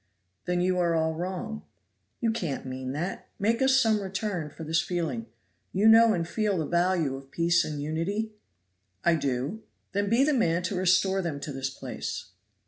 "There you are all wrong." "You can't mean that; make us some return for this feeling. You know and feel the value of peace and unity?" "I do." "Then be the man to restore them to this place."